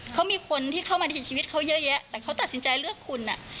เขามีคนที่เข้ามาในชีวิตเขาเยอะแยะแต่เขาตัดสินใจเลือกคุณอ่ะ